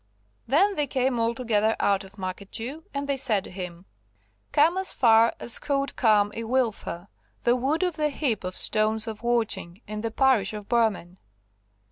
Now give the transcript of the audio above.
Then they came all together out of Market Jew, and they said to him: "Come as far as Coed Carrn y Wylfa, the Wood of the Heap of Stones of Watching, in the parish of Burman."